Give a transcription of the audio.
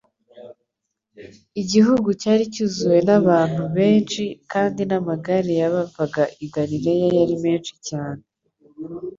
Igihugu cyari cyuzuwe n'abantu benshi kandi n'amagare y'abavaga i Galilaya yari menshi cyane.